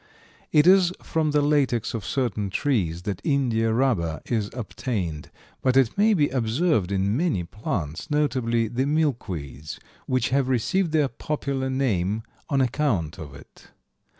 It is from the latex of certain trees that India rubber is obtained, but it may be observed in many plants, notably the milkweeds, which have received their popular name on account of it.